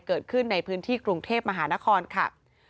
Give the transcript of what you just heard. เกิดขึ้นในพื้นที่กรุงเทพมหานครค่ะ